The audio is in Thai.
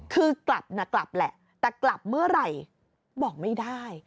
คือกลับนะกลับแหละแต่กลับเมื่อไหร่บอกไม่ได้